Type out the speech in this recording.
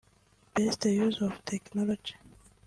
Best use of technology